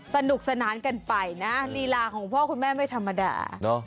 สนุกสนานกันไปนะลีลาของพ่อคุณแม่ไม่ธรรมดา